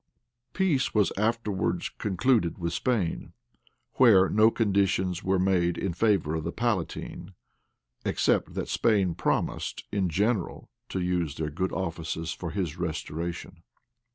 {1630.} Peace was afterwards concluded with Spain, where no conditions were made in favor of the palatine, except that Spain promised in general to use their good offices for his restoration.